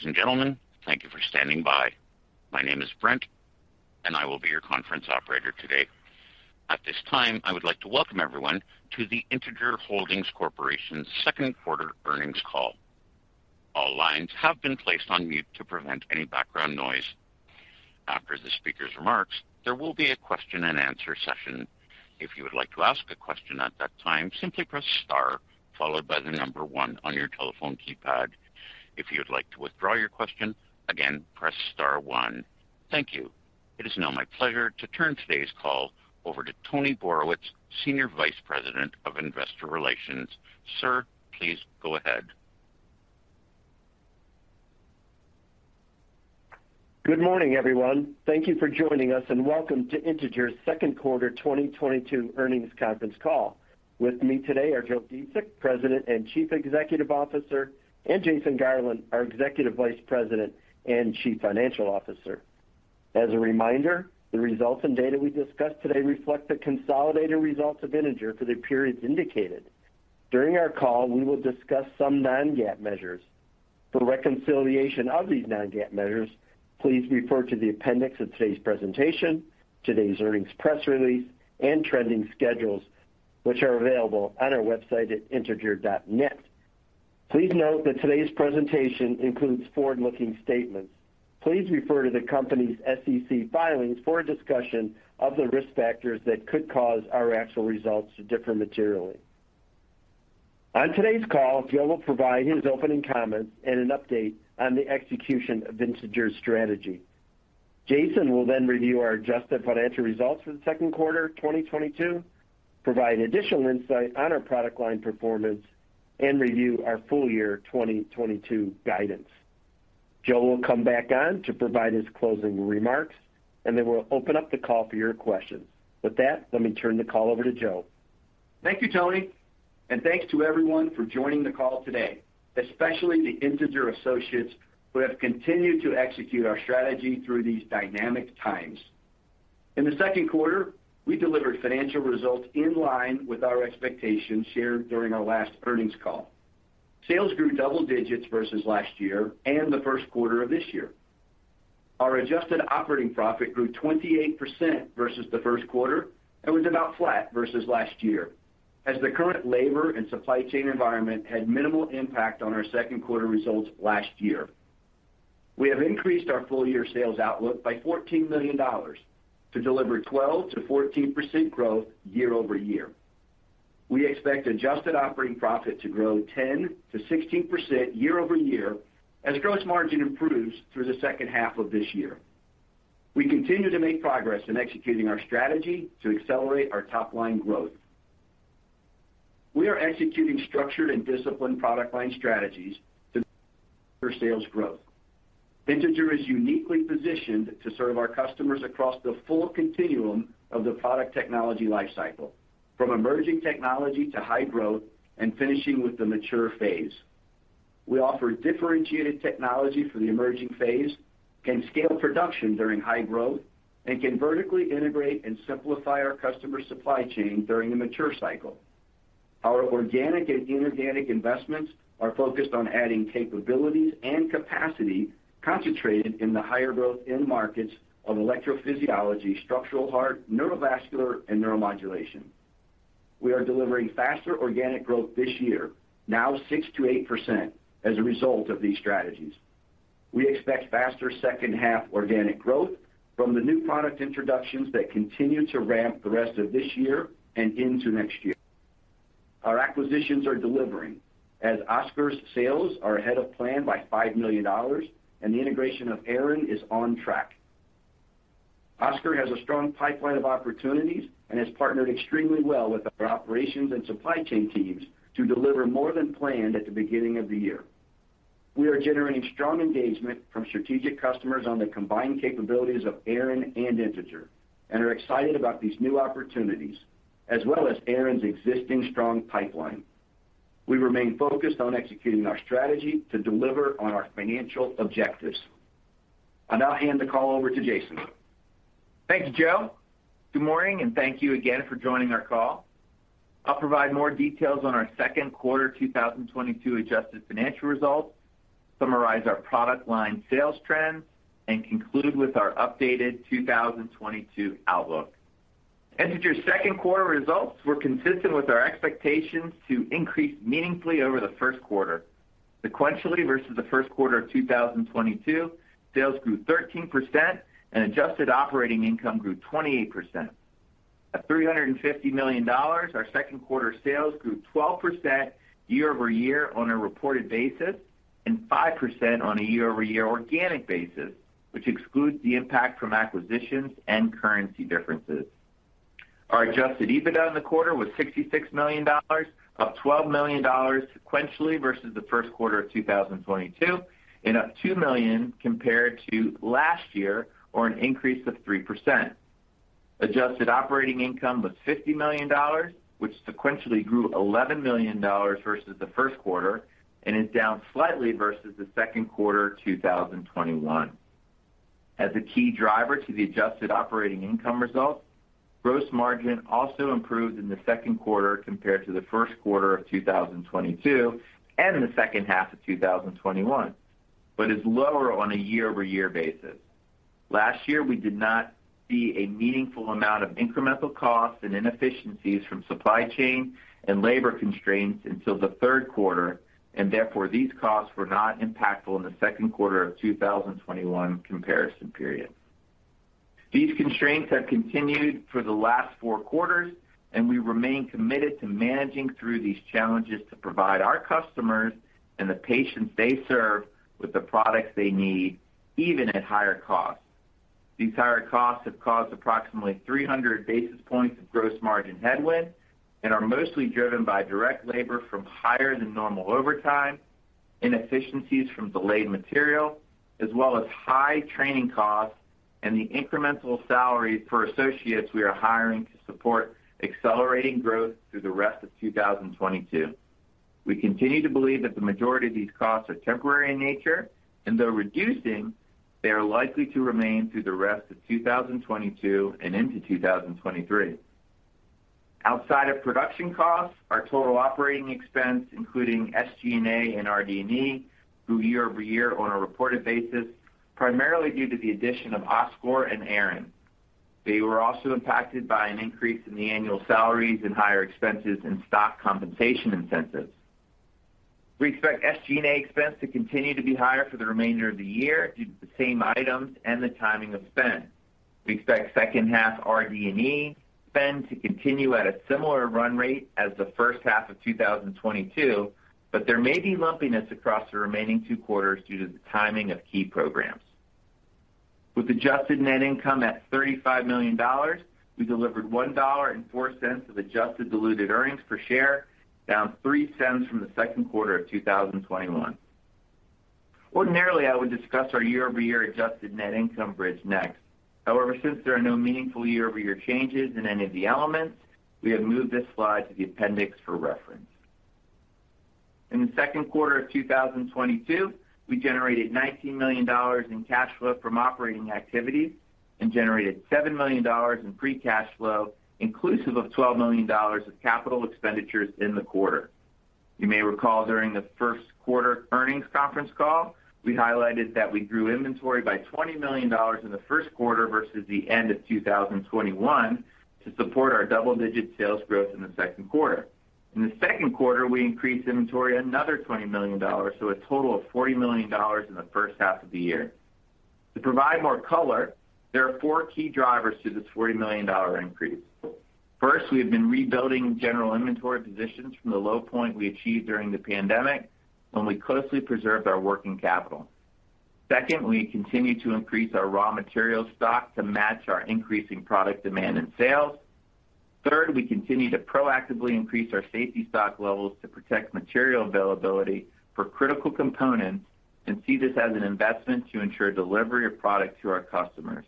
Ladies and gentlemen, thank you for standing by. My name is Brent, and I will be your conference operator today. At this time, I would like to welcome everyone to the Integer Holdings Corporation Second Quarter Earnings Call. All lines have been placed on mute to prevent any background noise. After the speaker's remarks, there will be a question-and-answer session. If you would like to ask a question at that time, simply press star followed by the number one on your telephone keypad. If you would like to withdraw your question again, press star one. Thank you. It is now my pleasure to turn today's call over to Tony Borowicz, Senior Vice President of Investor Relations. Sir, please go ahead. Good morning, everyone. Thank you for joining us, and welcome to Integer's second quarter 2022 earnings conference call. With me today are Joe Dziedzic, President and Chief Executive Officer, and Jason Garland, our Executive Vice President and Chief Financial Officer. As a reminder, the results and data we discuss today reflect the consolidated results of Integer for the periods indicated. During our call, we will discuss some non-GAAP measures. For reconciliation of these non-GAAP measures, please refer to the appendix of today's presentation, today's earnings press release and trending schedules, which are available on our website at integer.net. Please note that today's presentation includes forward-looking statements. Please refer to the company's SEC filings for a discussion of the risk factors that could cause our actual results to differ materially. On today's call, Joe will provide his opening comments and an update on the execution of Integer's strategy. Jason will then review our adjusted financial results for the second quarter of 2022, provide additional insight on our product line performance, and review our full year 2022 guidance. Joe will come back on to provide his closing remarks, and then we'll open up the call for your questions. With that, let me turn the call over to Joe. Thank you, Tony, and thanks to everyone for joining the call today, especially the Integer associates who have continued to execute our strategy through these dynamic times. In the second quarter, we delivered financial results in line with our expectations shared during our last earnings call. Sales grew double digits versus last year and the first quarter of this year. Our adjusted operating profit grew 28% versus the first quarter and was about flat versus last year. As the current labor and supply chain environment had minimal impact on our second quarter results last year. We have increased our full year sales outlook by $14 million to deliver 12%-14% growth year-over-year. We expect adjusted operating profit to grow 10%-16% year-over-year as gross margin improves through the second half of this year. We continue to make progress in executing our strategy to accelerate our top-line growth. We are executing structured and disciplined product line strategies to drive sales growth. Integer is uniquely positioned to serve our customers across the full continuum of the product technology life cycle, from emerging technology to high growth and finishing with the mature phase. We offer differentiated technology for the emerging phase, can scale production during high growth, and can vertically integrate and simplify our customer supply chain during the mature cycle. Our organic and inorganic investments are focused on adding capabilities and capacity concentrated in the higher growth end markets of electrophysiology, structural heart, neurovascular, and neuromodulation. We are delivering faster organic growth this year, now 6%-8% as a result of these strategies. We expect faster second half organic growth from the new product introductions that continue to ramp the rest of this year and into next year. Our acquisitions are delivering as Oscor's sales are ahead of plan by $5 million and the integration of Aran is on track. Oscor has a strong pipeline of opportunities and has partnered extremely well with our operations and supply chain teams to deliver more than planned at the beginning of the year. We are generating strong engagement from strategic customers on the combined capabilities of Aran and Integer and are excited about these new opportunities as well as Aran's existing strong pipeline. We remain focused on executing our strategy to deliver on our financial objectives. I'll now hand the call over to Jason. Thank you, Joe. Good morning, and thank you again for joining our call. I'll provide more details on our second quarter 2022 adjusted financial results, summarize our product line sales trends, and conclude with our updated 2022 outlook. Integer's second quarter results were consistent with our expectations to increase meaningfully over the first quarter. Sequentially versus the first quarter of 2022, sales grew 13% and adjusted operating income grew 28%. At $350 million, our second quarter sales grew 12% year-over-year on a reported basis and 5% year-over-year on an organic basis, which excludes the impact from acquisitions and currency differences. Our adjusted EBITDA in the quarter was $66 million, up $12 million sequentially versus the first quarter of 2022, and up $2 million compared to last year, or an increase of 3%. Adjusted operating income was $50 million, which sequentially grew $11 million versus the first quarter and is down slightly versus the second quarter of 2021. As a key driver to the adjusted operating income result, gross margin also improved in the second quarter compared to the first quarter of 2022 and in the second half of 2021, but is lower on a year-over-year basis. Last year, we did not see a meaningful amount of incremental costs and inefficiencies from supply chain and labor constraints until the third quarter, and therefore, these costs were not impactful in the second quarter of 2021 comparison period. These constraints have continued for the last four quarters, and we remain committed to managing through these challenges to provide our customers and the patients they serve with the products they need, even at higher costs. These higher costs have caused approximately 300 basis points of gross margin headwind and are mostly driven by direct labor from higher than normal overtime, inefficiencies from delayed material, as well as high training costs and the incremental salaries for associates we are hiring to support accelerating growth through the rest of 2022. We continue to believe that the majority of these costs are temporary in nature, and though reducing, they are likely to remain through the rest of 2022 and into 2023. Outside of production costs, our total operating expense, including SG&A and RD&E, grew year-over-year on a reported basis, primarily due to the addition of Oscor and Aran. They were also impacted by an increase in the annual salaries and higher expenses and stock compensation incentives. We expect SG&A expense to continue to be higher for the remainder of the year due to the same items and the timing of spend. We expect second half RD&E spend to continue at a similar run rate as the first half of 2022, but there may be lumpiness across the remaining two quarters due to the timing of key programs. With adjusted net income at $35 million, we delivered $1.04 of adjusted diluted earnings per share, down 3 cents from the second quarter of 2021. Ordinarily, I would discuss our year-over-year adjusted net income bridge next. However, since there are no meaningful year-over-year changes in any of the elements, we have moved this slide to the appendix for reference. In the second quarter of 2022, we generated $19 million in cash flow from operating activities and generated $7 million in free cash flow, inclusive of $12 million of capital expenditures in the quarter. You may recall during the first quarter earnings conference call, we highlighted that we grew inventory by $20 million in the first quarter versus the end of 2021 to support our double-digit sales growth in the second quarter. In the second quarter, we increased inventory another $20 million, so a total of $40 million in the first half of the year. To provide more color, there are four key drivers to this $40 million increase. First, we have been rebuilding general inventory positions from the low point we achieved during the pandemic when we closely preserved our working capital. Second, we continue to increase our raw material stock to match our increasing product demand and sales. Third, we continue to proactively increase our safety stock levels to protect material availability for critical components and see this as an investment to ensure delivery of product to our customers.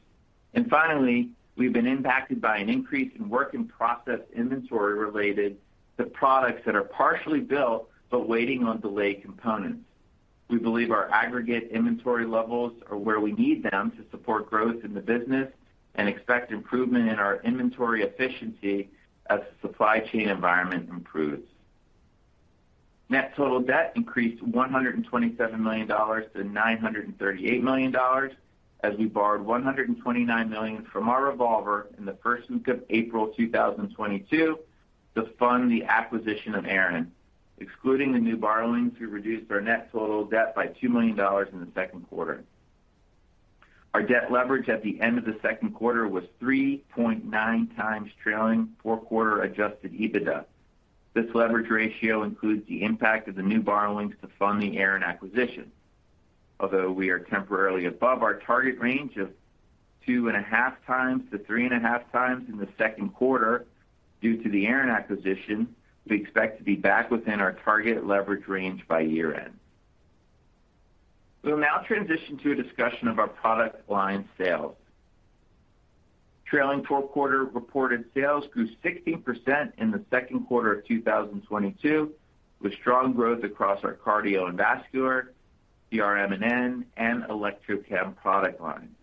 Finally, we've been impacted by an increase in work in process inventory related to products that are partially built but waiting on delayed components. We believe our aggregate inventory levels are where we need them to support growth in the business and expect improvement in our inventory efficiency as the supply chain environment improves. Net total debt increased $127 million-$938 million as we borrowed $129 million from our revolver in the first week of April 2022 to fund the acquisition of Aran. Excluding the new borrowings, we reduced our net total debt by $2 million in the second quarter. Our debt leverage at the end of the second quarter was 3.9x trailing fourth-quarter adjusted EBITDA. This leverage ratio includes the impact of the new borrowings to fund the Aran acquisition. Although we are temporarily above our target range of 2.5x to 3.5x in the second quarter due to the Aran acquisition, we expect to be back within our target leverage range by year-end. We'll now transition to a discussion of our product line sales. Trailing fourth-quarter reported sales grew 16% in the second quarter of 2022, with strong growth across our Cardio and Vascular, CRM&N, and Electrochem product lines.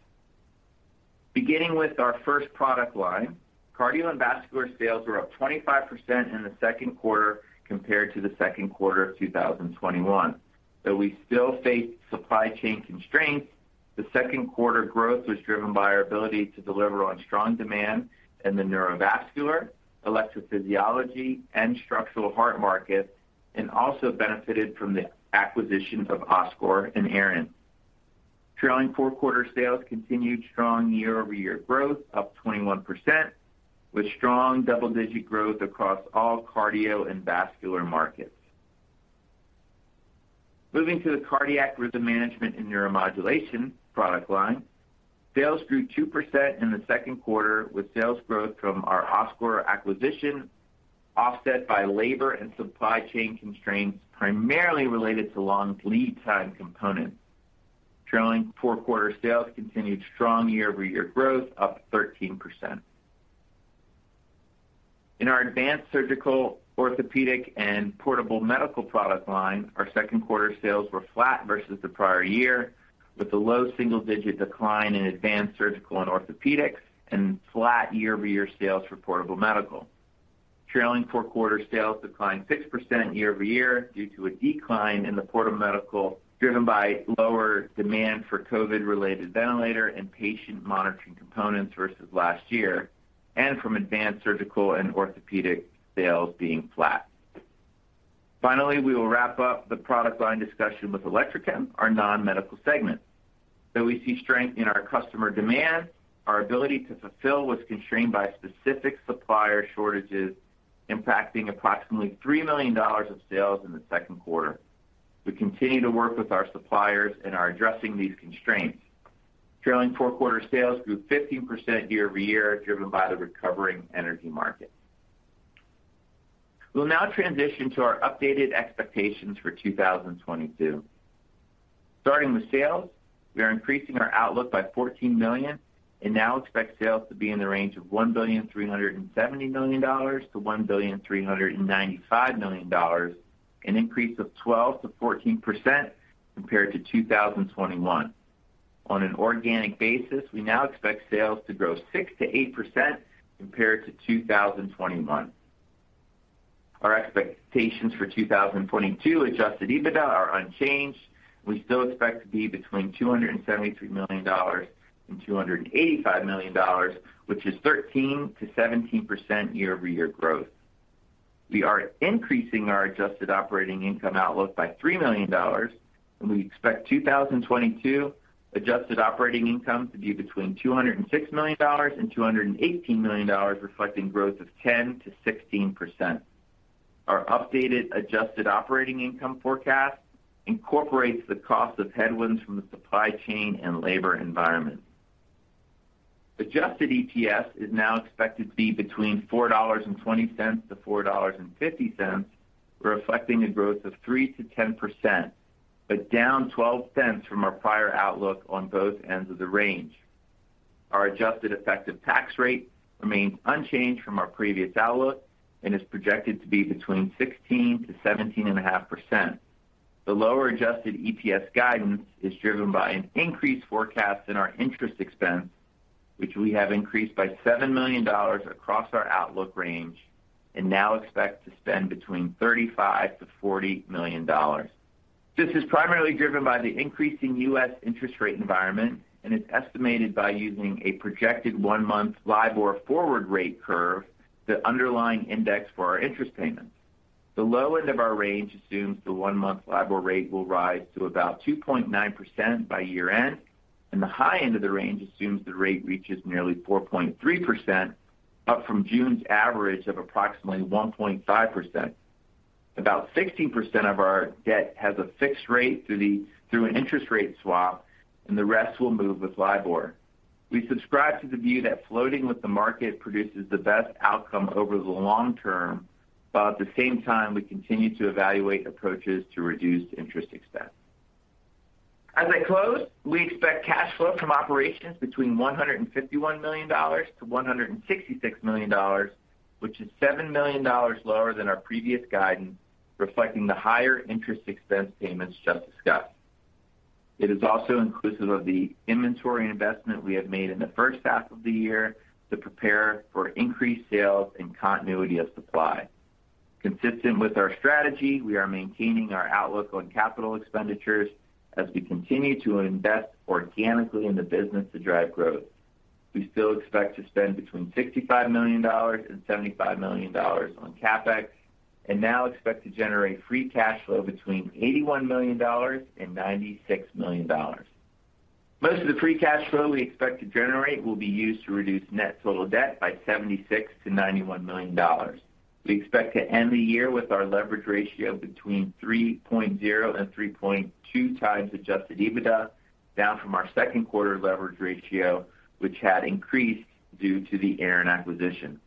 Beginning with our first product line, Cardio and Vascular sales were up 25% in the second quarter compared to the second quarter of 2021. Though we still face supply chain constraints, the second quarter growth was driven by our ability to deliver on strong demand in the neurovascular, electrophysiology, and structural heart markets, and also benefited from the acquisitions of Oscor and Aran. Trailing four-quarter sales continued strong year-over-year growth, up 21%, with strong double-digit growth across all Cardio and Vascular markets. Moving to the cardiac rhythm management and neuromodulation product line, sales grew 2% in the second quarter, with sales growth from our Oscor acquisition offset by labor and supply chain constraints primarily related to long lead time components. Trailing four-quarter sales continued strong year-over-year growth, up 13%. In our Advanced Surgical, orthopedics, and Portable Medical product line, our second quarter sales were flat versus the prior year, with a low single-digit decline in Advanced Surgical and orthopedics, and flat year-over-year sales for Portable Medical. Trailing four-quarter sales declined 6% year-over-year due to a decline in the Portable Medical, driven by lower demand for COVID-related ventilator and patient monitoring components versus last year, and from Advanced Surgical and orthopedics sales being flat. Finally, we will wrap up the product line discussion with Electrochem, our non-medical segment. Though we see strength in our customer demand, our ability to fulfill was constrained by specific supplier shortages, impacting approximately $3 million of sales in the second quarter. We continue to work with our suppliers and are addressing these constraints. Trailing fourth-quarter sales grew 15% year-over-year, driven by the recovering energy market. We'll now transition to our updated expectations for 2022. Starting with sales, we are increasing our outlook by $14 million, and now expect sales to be in the range of $1.307 billion-$1.395 billion, an increase of 12%-14% compared to 2021. On an organic basis, we now expect sales to grow 6%-8% compared to 2021. Our expectations for 2022 adjusted EBITDA are unchanged. We still expect to be between $273 million and $285 million, which is 13%-17% year-over-year growth. We are increasing our adjusted operating income outlook by $3 million, and we expect 2022 adjusted operating income to be between $206 million and $218 million, reflecting growth of 10%-16%. Our updated adjusted operating income forecast incorporates the cost of headwinds from the supply chain and labor environment. Adjusted EPS is now expected to be between $4.20 and $4.50, reflecting a growth of 3%-10%, but down $0.12 from our prior outlook on both ends of the range. Our adjusted effective tax rate remains unchanged from our previous outlook and is projected to be between 16%-17.5%. The lower adjusted EPS guidance is driven by an increased forecast in our interest expense, which we have increased by $7 million across our outlook range, and now expect to spend $35 million-$40 million. This is primarily driven by the increasing U.S. interest rate environment, and is estimated by using a projected one-month LIBOR forward rate curve, the underlying index for our interest payments. The low end of our range assumes the one-month LIBOR rate will rise to about 2.9% by year-end, and the high end of the range assumes the rate reaches nearly 4.3%, up from June's average of approximately 1.5%. About 16% of our debt has a fixed rate through an interest rate swap, and the rest will move with LIBOR. We subscribe to the view that floating with the market produces the best outcome over the long term, but at the same time, we continue to evaluate approaches to reduce interest expense. As I close, we expect cash flow from operations between $151 million-$166 million, which is $7 million lower than our previous guidance, reflecting the higher interest expense payments just discussed. It is also inclusive of the inventory investment we have made in the first half of the year to prepare for increased sales and continuity of supply. Consistent with our strategy, we are maintaining our outlook on capital expenditures as we continue to invest organically in the business to drive growth. We still expect to spend between $65 million and $75 million on CapEx, and now expect to generate free cash flow between $81 million and $96 million. Most of the free cash flow we expect to generate will be used to reduce net total debt by $76 million-$91 million. We expect to end the year with our leverage ratio between 3.0 and 3.2 times adjusted EBITDA, down from our second quarter leverage ratio, which had increased due to the Aran acquisition.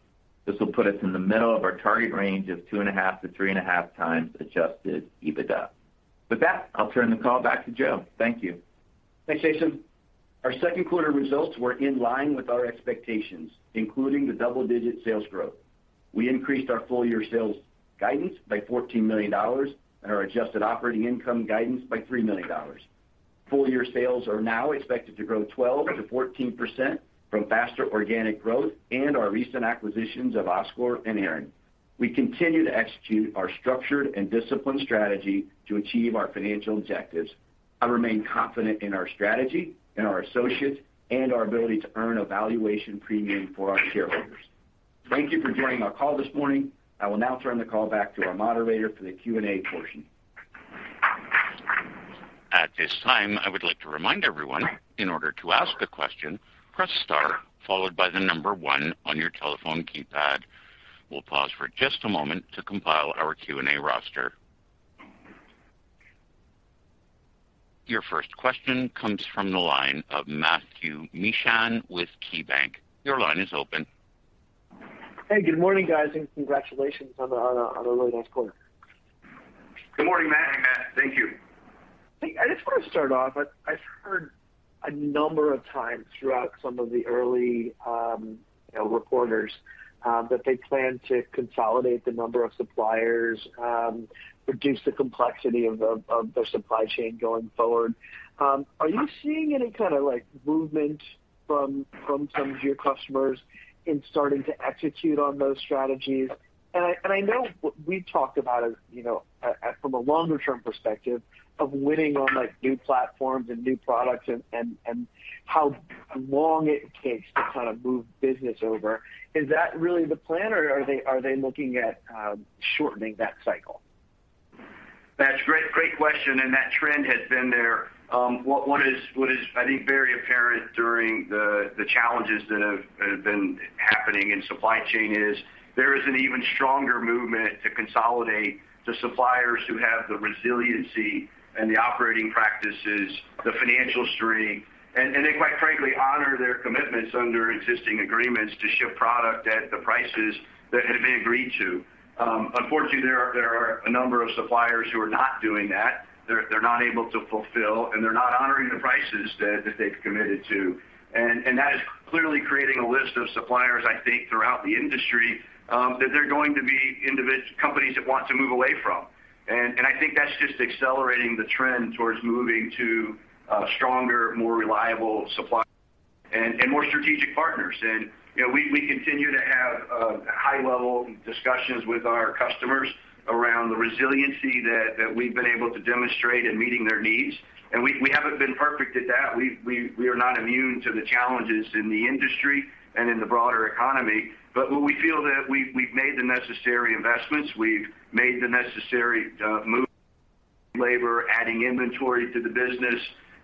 This will put us in the middle of our target range of 2.5-3.5 times adjusted EBITDA. With that, I'll turn the call back to Joe. Thank you. Thanks, Jason. Our second quarter results were in line with our expectations, including the double-digit sales growth. We increased our full-year sales guidance by $14 million and our adjusted operating income guidance by $3 million. Full-year sales are now expected to grow 12%-14% from faster organic growth and our recent acquisitions of Oscor and Aran. We continue to execute our structured and disciplined strategy to achieve our financial objectives. I remain confident in our strategy and our associates, and our ability to earn a valuation premium for our shareholders. Thank you for joining our call this morning. I will now turn the call back to our moderator for the Q&A portion. At this time, I would like to remind everyone, in order to ask a question, press star followed by the number one on your telephone keypad. We'll pause for just a moment to compile our Q&A roster. Your first question comes from the line of Matthew Mishan with KeyBanc. Your line is open. Hey, good morning guys, and congratulations on a really nice quarter. Good morning, Matthew. I just want to start off. I've heard a number of times throughout some of the early of quarters, that they plan to consolidate the number of suppliers, reduce the complexity of their supply chain going forward. Are you seeing any kind of, like movement from some of your customers in starting to execute on those strategies? I know we've talked about, as you know, from a longer-term perspective of winning on like new platforms and new products and how long it takes to kind of move business over. Is that really the plan, or are they looking at shortening that cycle? Matthew, great question, that trend has been there. What is, I think, very apparent during the challenges that have been happening in supply chain is an even stronger movement to consolidate the suppliers who have the resiliency and the operating practices, the financial strength, and they, quite frankly, honor their commitments under existing agreements to ship product at the prices that had been agreed to. Unfortunately, there are a number of suppliers who are not doing that. They're not able to fulfill, and they're not honoring the prices that they've committed to. That is clearly creating a list of suppliers, I think, throughout the industry, that companies that want to move away from. I think that's just accelerating the trend towards moving to a stronger, more reliable supply and more strategic partners. You know, we continue to have high-level discussions with our customers around the resiliency that we've been able to demonstrate in meeting their needs. We haven't been perfect at that. We are not immune to the challenges in the industry and in the broader economy. We feel that we've made the necessary investments. We've made the necessary move labor, adding inventory to the business,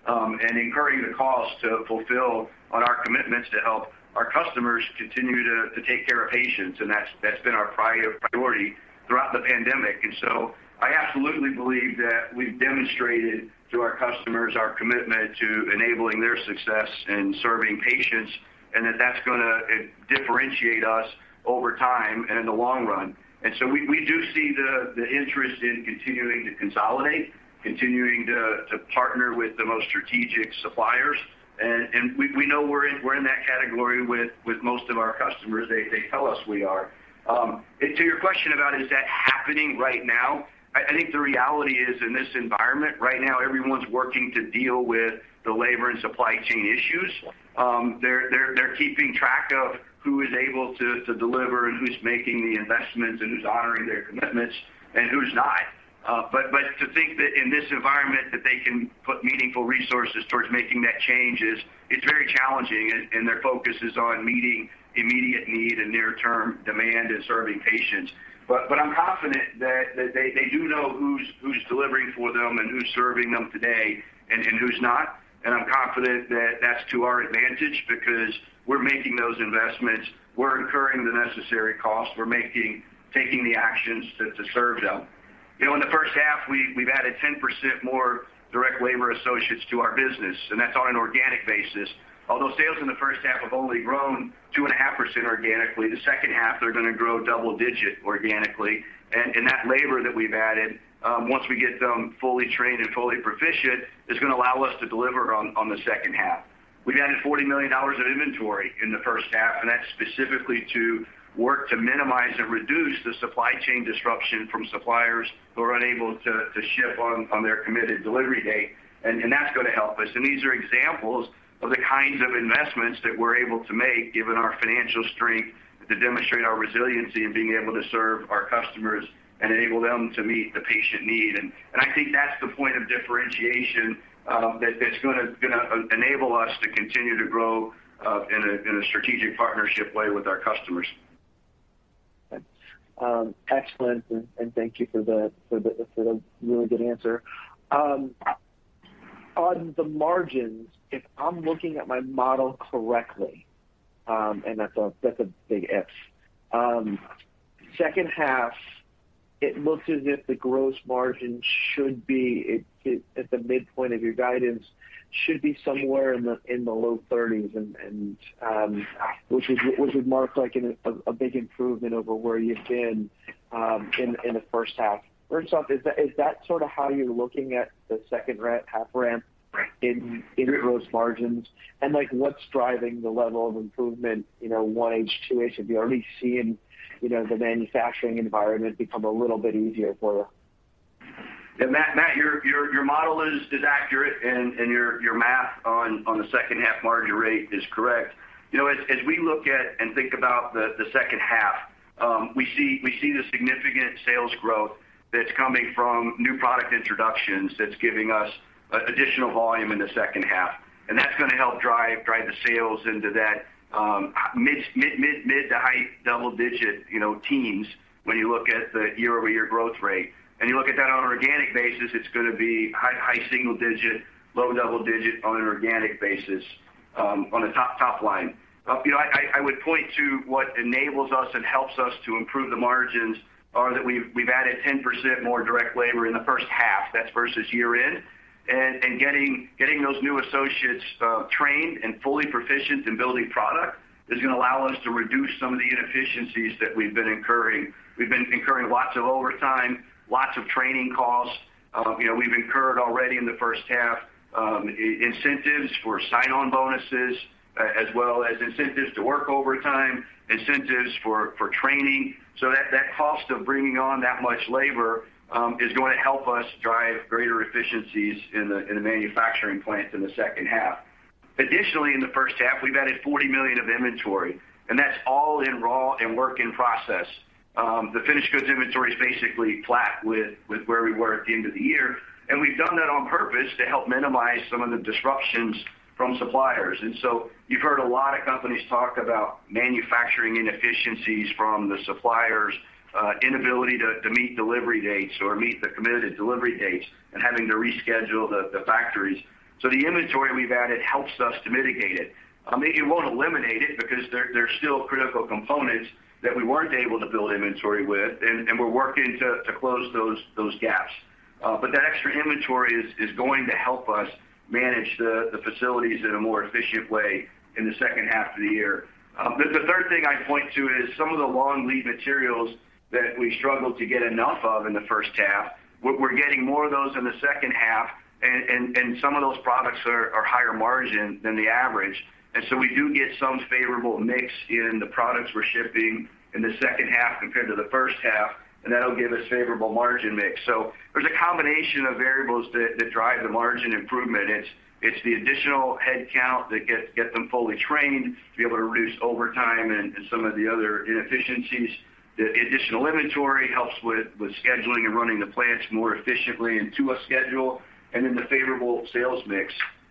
and incurring the cost to fulfill on our commitments to help our customers continue to take care of patients, and that's been our priority throughout the pandemic. I absolutely believe that we've demonstrated to our customers our commitment to enabling their success in serving patients, and that that's gonna differentiate us over time and in the long run. We do see the interest in continuing to consolidate, continuing to partner with the most strategic suppliers. We know we're in that category with most of our customers. They tell us we are. To your question about is that happening right now, I think the reality is, in this environment right now, everyone's working to deal with the labor and supply chain issues. They're keeping track of who is able to deliver and who's making the investments and who's honoring their commitments and who's not. To think that in this environment that they can put meaningful resources towards making that change is. It's very challenging and their focus is on meeting immediate need and near-term demand and serving patients. I'm confident that they do know who's delivering for them and who's serving them today and who's not, and I'm confident that that's to our advantage because we're making those investments. We're incurring the necessary costs. We're taking the actions to serve them. You know, in the first half, we've added 10% more direct labor associates to our business, and that's on an organic basis. Although sales in the first half have only grown 2.5% organically, the second half, they're gonna grow double-digit organically. That labor that we've added, once we get them fully trained and fully proficient, is gonna allow us to deliver on the second half. We've added $40 million of inventory in the first half, and that's specifically to work to minimize and reduce the supply chain disruption from suppliers who are unable to ship on their committed delivery date, and that's gonna help us. These are examples of the kinds of investments that we're able to make, given our financial strength, to demonstrate our resiliency in being able to serve our customers and enable them to meet the patient need. I think that's the point of differentiation that's gonna enable us to continue to grow in a strategic partnership way with our customers. Excellent, thank you for the really good answer. On the margins, if I'm looking at my model correctly, and that's a big if second half, it looks as if the gross margin should be at the midpoint of your guidance, should be somewhere in the low 30s, which would mark, like, a big improvement over where you've been in the first half. First off, is that sort of how you're looking at the second half ramp in gross margins? Like, what's driving the level of improvement, you know, one H2H? Have you already seen, you know, the manufacturing environment become a little bit easier for you? Yeah, Matt, your model is accurate and your math on the second half margin rate is correct. You know, as we look at and think about the second half, we see the significant sales growth that's coming from new product introductions that's giving us additional volume in the second half, and that's gonna help drive the sales into that mid to high double digit, you know, teens when you look at the year-over-year growth rate. You look at that on an organic basis, it's gonna be high single digit, low double digit on an organic basis. On the top line. You know, I would point to what enables us and helps us to improve the margins are that we've added 10% more direct labor in the first half, that's versus year-end. Getting those new associates trained and fully proficient in building product is gonna allow us to reduce some of the inefficiencies that we've been incurring. We've been incurring lots of overtime, lots of training costs. You know, we've incurred already in the first half, incentives for sign-on bonuses, as well as incentives to work overtime, incentives for training. That cost of bringing on that much labor is going to help us drive greater efficiencies in the manufacturing plant in the second half. Additionally, in the first half, we've added $40 million of inventory, and that's all in raw and work in process. The finished goods inventory is basically flat with where we were at the end of the year, and we've done that on purpose to help minimize some of the disruptions from suppliers. You've heard a lot of companies talk about manufacturing inefficiencies from the suppliers' inability to meet delivery dates or meet the committed delivery dates and having to reschedule the factories. The inventory we've added helps us to mitigate it. It won't eliminate it because there are still critical components that we weren't able to build inventory with and we're working to close those gaps. That extra inventory is going to help us manage the facilities in a more efficient way in the second half of the year. The third thing I'd point to is some of the long lead materials that we struggled to get enough of in the first half. We're getting more of those in the second half and some of those products are higher margin than the average. We do get some favorable mix in the products we're shipping in the second half compared to the first half, and that'll give us favorable margin mix. There's a combination of variables that drive the margin improvement. It's the additional headcount that get them fully trained to be able to reduce overtime and some of the other inefficiencies. The additional inventory helps with scheduling and running the plants more efficiently and to a schedule, and then the favorable sales mix.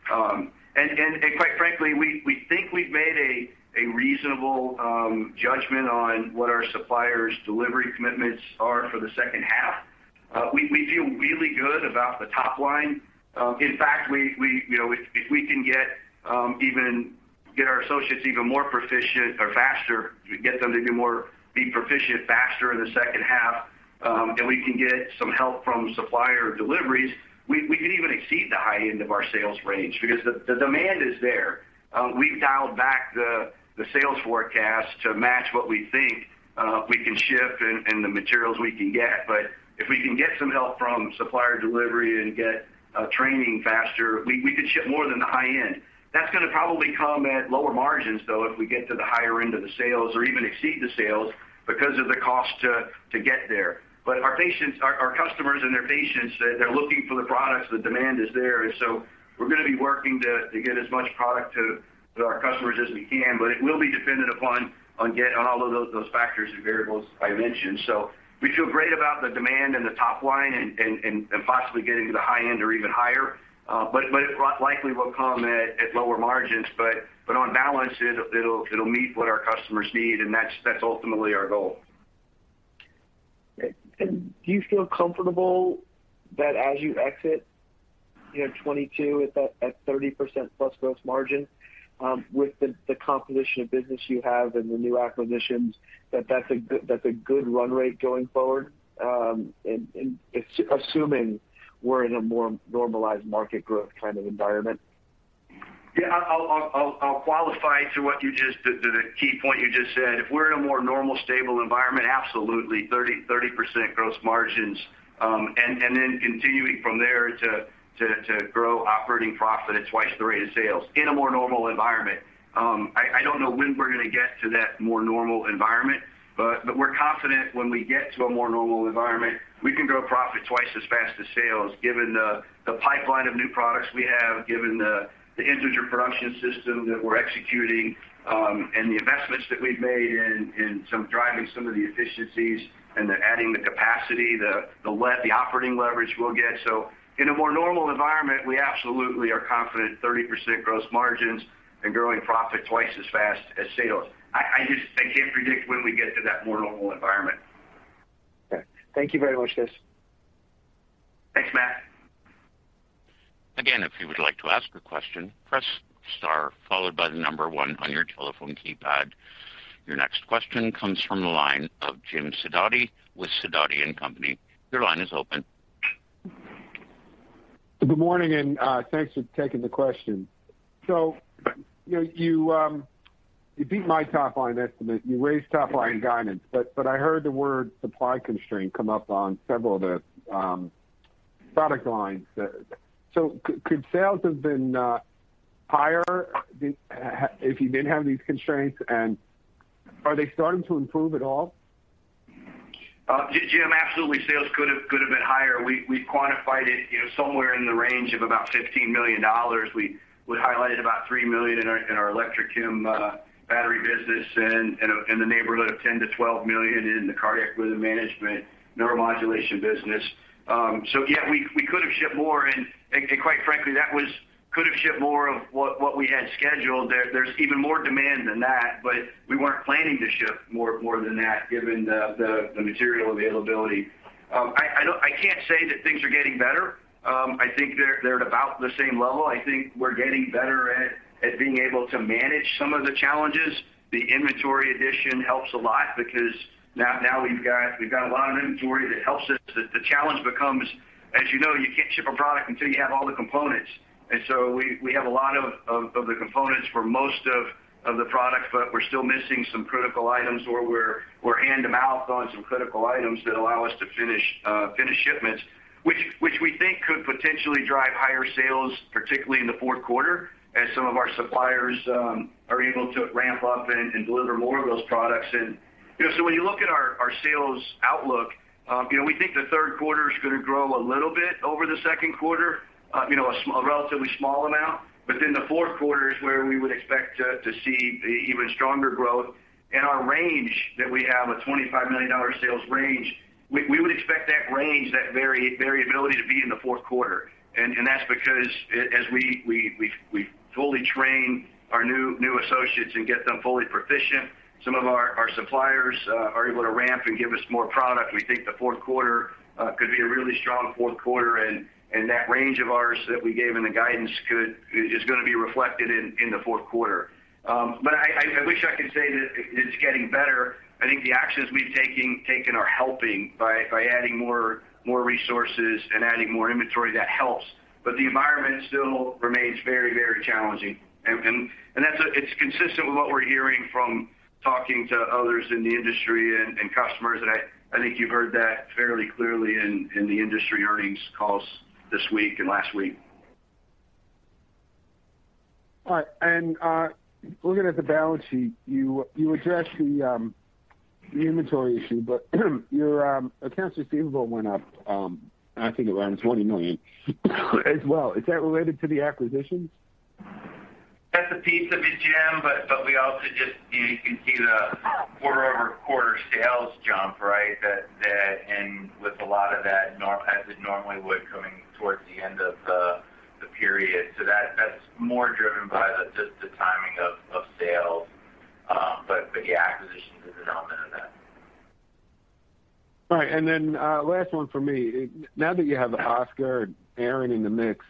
Quite frankly, we think we've made a reasonable judgment on what our suppliers' delivery commitments are for the second half. We feel really good about the top line. In fact, you know, if we can get our associates even more proficient or faster, get them to be more proficient faster in the second half, and we can get some help from supplier deliveries, we could even exceed the high end of our sales range because the demand is there. We've dialed back the sales forecast to match what we think we can ship and the materials we can get. If we can get some help from supplier delivery and get training faster, we could ship more than the high end. That's gonna probably come at lower margins, though, if we get to the higher end of the sales or even exceed the sales because of the cost to get there. Our customers and their patients, they're looking for the products, the demand is there. We're gonna be working to get as much product to our customers as we can, but it will be dependent upon on all of those factors and variables I mentioned. We feel great about the demand and the top line and possibly getting to the high end or even higher. It likely will come at lower margins. On balance, it'll meet what our customers need, and that's ultimately our goal. Great. Do you feel comfortable that as you exit you know 2022 at 30%+ gross margin, with the composition of business you have and the new acquisitions, that that's a good run rate going forward? Assuming we're in a more normalized market growth kind of environment. Yeah. I'll qualify to the key point you just said. If we're in a more normal, stable environment, absolutely 30% gross margins. Continuing from there to grow operating profit at twice the rate of sales in a more normal environment. I don't know when we're gonna get to that more normal environment, but we're confident when we get to a more normal environment, we can grow profit twice as fast as sales, given the pipeline of new products we have, given the Integer production system that we're executing, and the investments that we've made in driving some of the efficiencies and then adding the capacity, the operating leverage we'll get. In a more normal environment, we absolutely are confident 30% gross margins and growing profit twice as fast as sales. I just can't predict when we get to that more normal environment. Okay. Thank you very much, Joe. Thanks, Matt. Again, if you would like to ask a question, press star followed by the number one on your telephone keypad. Your next question comes from the line of James Sidoti with Sidoti & Company. Your line is open. Good morning, and thanks for taking the question. You know, you beat my top line estimate. You raised top line guidance, but I heard the word supply constraint come up on several of the product lines. Could sales have been higher if you didn't have these constraints, and are they starting to improve at all? James, absolutely sales could have been higher. We quantified it, you know somewhere in the range of about $15 million. We highlighted about $3 million in our Electrochem battery business and in the neighborhood of $10 million-$12 million in the cardiac rhythm management and neuromodulation business. So yeah, we could have shipped more, and quite frankly, that was. We could have shipped more of what we had scheduled. There's even more demand than that, but we weren't planning to ship more than that given the material availability. I can't say that things are getting better. I think they're at about the same level. I think we're getting better at being able to manage some of the challenges. The inventory addition helps a lot because now we've got a lot of inventory that helps us. The challenge becomes, as you know, you can't ship a product until you have all the components. We have a lot of the components for most of the products, but we're still missing some critical items or we're hand-to-mouth on some critical items that allow us to finish shipments, which we think could potentially drive higher sales, particularly in the fourth quarter as some of our suppliers are able to ramp up and deliver more of those products. You know, when you look at our sales outlook, you know, we think the third quarter is gonna grow a little bit over the second quarter, you know, a small A relatively small amount, but then the fourth quarter is where we would expect to see even stronger growth. Our range that we have, a $25 million sales range, we would expect that range, that variability to be in the fourth quarter. That's because as we fully train our new associates and get them fully proficient, some of our suppliers are able to ramp and give us more product. We think the fourth quarter could be a really strong fourth quarter, and that range of ours that we gave in the guidance is gonna be reflected in the fourth quarter. I wish I could say that it's getting better. I think the actions we've taken are helping by adding more resources and adding more inventory. That helps. The environment still remains very, very challenging. That's consistent with what we're hearing from talking to others in the industry and customers, and I think you've heard that fairly clearly in the industry earnings calls this week and last week. All right. Looking at the balance sheet, you addressed the inventory issue, but your accounts receivable went up, I think around $20 million as well. Is that related to the acquisitions? That's a piece of it, James but we also just you know, you can see the quarter-over-quarter sales jump, right? That and with a lot of that not as it normally would coming towards the end of the period. That's more driven by just the timing of sales. But yeah, acquisitions is an element of that. All right. Last one for me. Now that you have Oscor and Aran in the mix,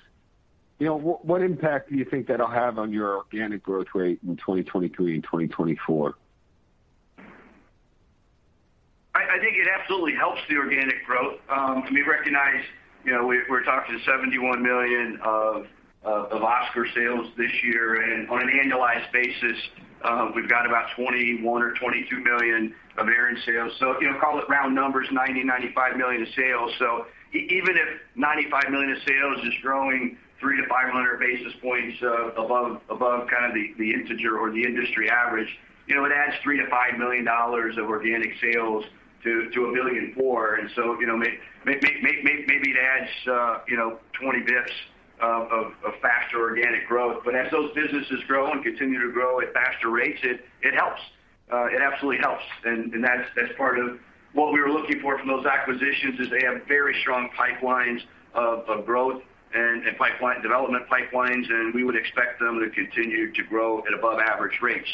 you know, what impact do you think that'll have on your organic growth rate in 2023 and 2024? I think it absolutely helps the organic growth. I mean, recognize, you know, we're talking $71 million of Oscor sales this year. On an annualized basis, we've got about $21 million or $22 million of Aran sales. You know, call it round numbers, $90 million-$95 million of sales. Even if $95 million of sales is growing 300-500 basis points above kind of the Integer or the industry average, you know, it adds $3 million-$5 million of organic sales to a billion four. You know maybe it adds you know, 20 basis points of faster organic growth. But as those businesses grow and continue to grow at faster rates, it helps. It absolutely helps. That's part of what we were looking for from those acquisitions is they have very strong pipelines of growth and pipeline development pipelines, and we would expect them to continue to grow at above average rates.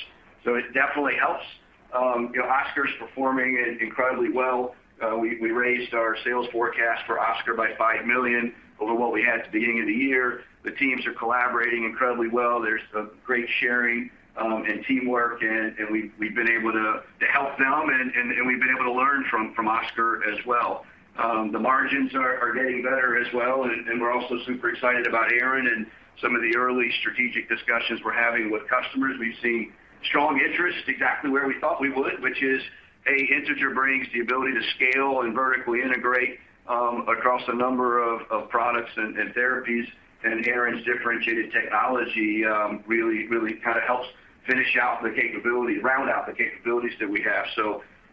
It definitely helps. You know, Oscor's performing incredibly well. We raised our sales forecast for Oscor by $5 million over what we had at the beginning of the year. The teams are collaborating incredibly well. There's a great sharing and teamwork and we've been able to help them and we've been able to learn from Oscor as well. The margins are getting better as well, and we're also super excited about Aran and some of the early strategic discussions we're having with customers. We've seen strong interest exactly where we thought we would, which is, A, Integer brings the ability to scale and vertically integrate across a number of products and therapies. Aran's differentiated technology really kind of helps finish out the capability, round out the capabilities that we have.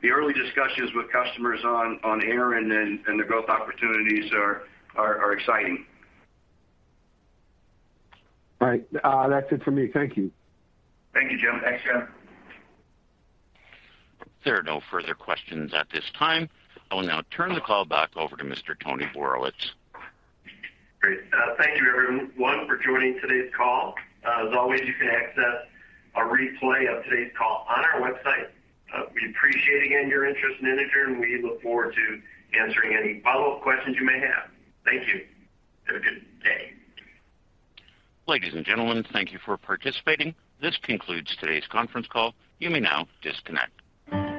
The early discussions with customers on Aran and their growth opportunities are exciting. All right. That's it for me. Thank you. Thank you, James. Thanks, James. There are no further questions at this time. I will now turn the call back over to Mr. Tony Borowicz. Great. Thank you everyone for joining today's call. As always, you can access a replay of today's call on our website. We appreciate again your interest in Integer, and we look forward to answering any follow-up questions you may have. Thank you. Have a good day. Ladies and gentlemen, thank you for participating. This concludes today's conference call. You may now disconnect.